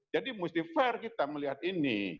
jadi musti fair kita melihat ini